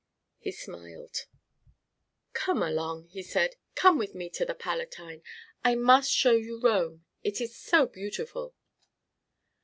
He smiled: "Come along," he said. "Come with me to the Palatine. I must show you Rome. It is so beautiful."